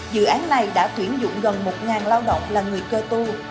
dự án này đã tuyển dụng gần một lao động là người cơ tu